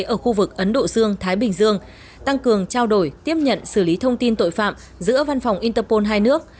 ở khu vực ấn độ dương thái bình dương tăng cường trao đổi tiếp nhận xử lý thông tin tội phạm giữa văn phòng interpol hai nước